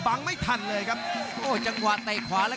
รับทราบบรรดาศักดิ์